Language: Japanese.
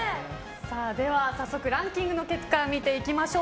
では早速ランキングの結果を見ていきましょう。